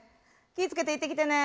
気ぃ付けて行ってきてね。